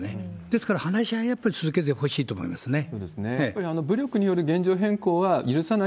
ですから、話し合いはやっぱり続けてほしいと思いますね。